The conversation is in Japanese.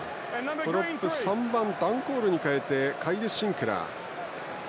プロップ、３番ダン・コールに代えてカイル・シンクラー。